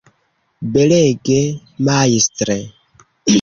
Belege, majstre!